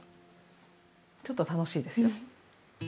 ちょっと楽しいですよ。